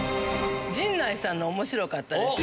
陣内さんの面白かったです。